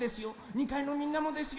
２かいのみんなもですよ。